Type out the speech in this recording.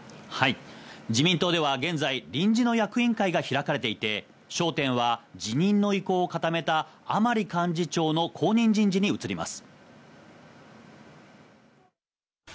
自民党では現在、臨時の役員会が開かれていて、焦点は辞任の意向を固めた甘利幹事長の後任人事に移ります。